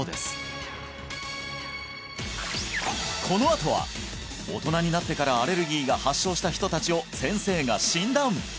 このあとは大人になってからアレルギーが発症した人達を先生が診断